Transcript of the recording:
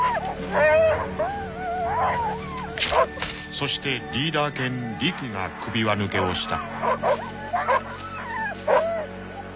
［そしてリーダー犬リキが首輪抜けをした］